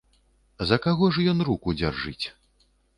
За каго ж ён руку дзяржыць?